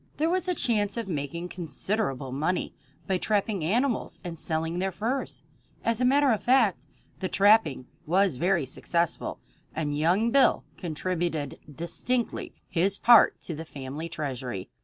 There was a chance of making considerable money by trapping animals and selling their furs. As a matter of fact, the trapping was very successful, and young Bill contributed distinctly his part to the family treasury.